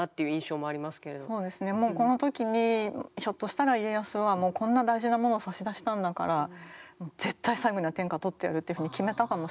もうこの時にひょっとしたら家康はもうこんな大事なものを差し出したんだから絶対最後には天下を取ってやる！というふうに決めたかもしれませんね。